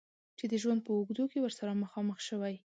چې د ژوند په اوږدو کې ورسره مخامخ شوی.